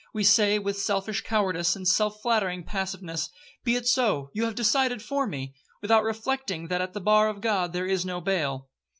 We say, with selfish cowardice, and self flattering passiveness, 'Be it so—you have decided for me,'—without reflecting that at the bar of God there is no bail.